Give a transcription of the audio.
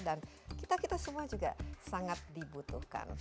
dan kita kita semua juga sangat dibutuhkan